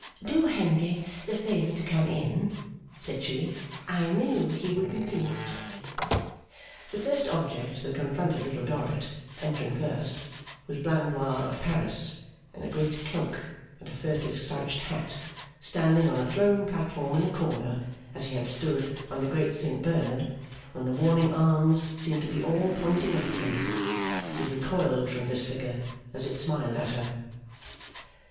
'Do Henry the favour to come in,' said she, 'I knew he would be pleased!' The first object that confronted Little Dorrit, entering first, was Blandois of Paris in a great cloak and a furtive slouched hat, standing on a throne platform in a corner, as he had stood on the Great Saint Bernard, when the warning arms seemed to be all pointing up at him. She recoiled from this figure, as it smiled at her.